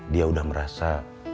dia udah merasa